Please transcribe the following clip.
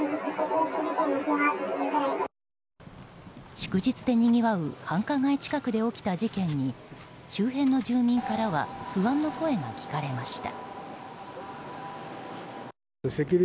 祝日で、にぎわう繁華街近くで起きた事件に周辺の住民からは不安の声が聞かれました。